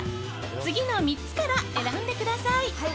次の３つから選んでください。